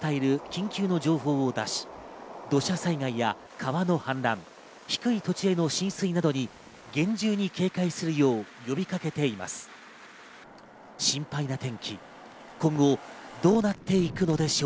緊急の情報を出し、土砂災害や川の氾濫、低い土地への浸水などに厳重に警戒するよう呼びかけています。